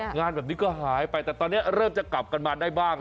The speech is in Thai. งานแบบนี้ก็หายไปแต่ตอนนี้เริ่มจะกลับกันมาได้บ้าง